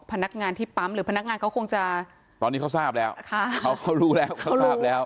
พนักงานที่ปั๊มหรือพนักงานเขาคงจะตอนนี้เขาทราบแล้วเขาเขารู้แล้วเขาทราบแล้ว